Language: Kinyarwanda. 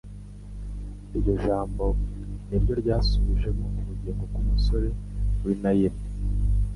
Iryo jambo niryo ryasubijemo ubugingo bw'umusore w’i Naini,